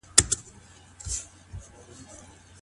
ډوډۍ په لمر کي نه پخېږي.